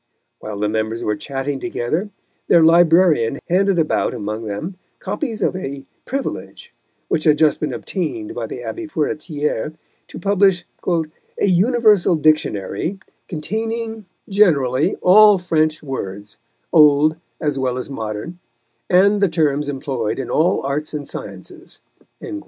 While the members were chatting together their Librarian handed about among them copies of a "privilege" which had just been obtained by the Abbé Furetière to publish "a universal Dictionary containing generally all French words, old as well as modern, and the terms employed in all arts and sciences."